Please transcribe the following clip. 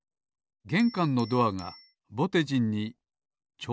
げんかんのドアがぼてじんにちょうどのサイズ。